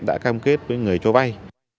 đã cam kết với người cho vay